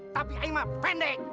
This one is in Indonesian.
tapi aing mah pendek